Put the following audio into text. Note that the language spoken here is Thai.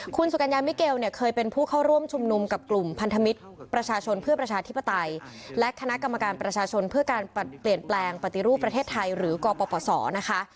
คุณสุกัญญามิเกลเนี่ยเคยเป็นผู้เข้าร่วมชุมนุมกับกลุ่มพันธมิตรประชาชนเพื่อประชาธิปไตยและคณะกรรมการประชาชนเพื่อการเปลี่ยนแปลงปฏิรูปประเทศไทยหรือกปศนะคะ